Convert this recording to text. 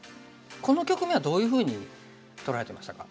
この局面はどういうふうに捉えてましたか？